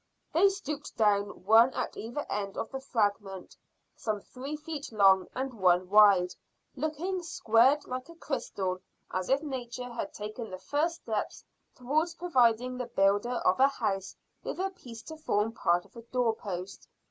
They stooped down one at either end of the fragment, some three feet long and one wide, looking squared like a crystal, and as if Nature had taken the first steps towards providing the builder of a house with a piece to form part of a door post.